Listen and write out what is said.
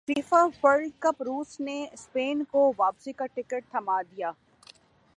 FIFA World cup روس نے Spain کو واپسی کا ٹکٹ تھمادیا